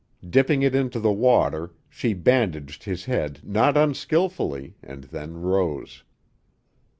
Dipping it into the water, she bandaged his head not unskilfully, and then rose.